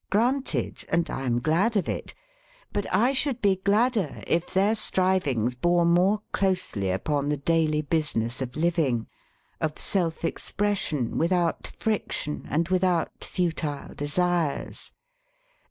Granted! And I am glad of it. But I should be gladder if their strivings bore more closely upon the daily business of living, of self expression without friction and without futile desires.